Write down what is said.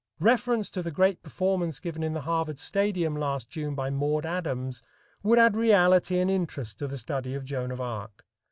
Reference to the great performance given in the Harvard Stadium last June by Maud Adams would add reality and interest to the study of Joan of Arc.